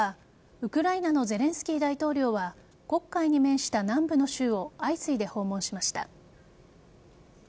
ウクライナのゼレンスキー大統領は黒海に面した南部の州を相次いで訪問しました。